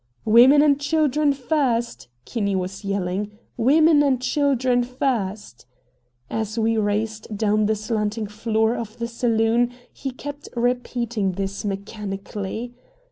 "Women and children first!" Kinney was yelling. "Women and children first!" As we raced down the slanting floor of the saloon he kept repeating this mechanically.